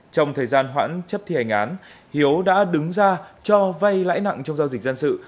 trong thời gian hoãn chấp thi hành án hiếu đã đứng ra cho vay lãi nặng trong giao dịch dân sự